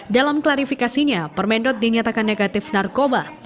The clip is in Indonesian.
dalam klarifikasinya permen asal cina dinyatakan negatif narkoba